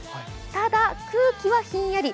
ただ、空気はひんやり。